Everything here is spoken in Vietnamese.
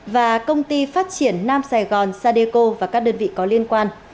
và công ty phát triển nam sài gòn sadeco và các đơn vị có liên quan